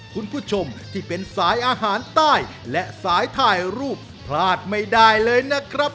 คุณผู้ชมที่เป็นสายอาหารใต้และสายถ่ายรูปพลาดไม่ได้เลยนะครับ